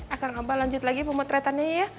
akang abah lanjut lagi pemotretannya ya